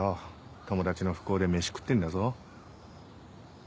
友達の不幸で飯食ってんだぞ。